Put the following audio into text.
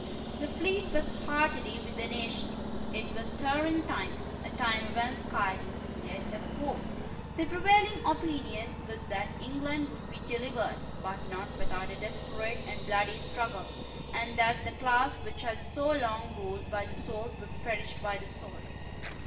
The fleet was heartily with the nation. It was a stirring time, a time of anxiety, yet of hope. The prevailing opinion was that England would be delivered, but not without a desperate and bloody struggle, and that the class which had so long ruled by the sword would perish by the sword.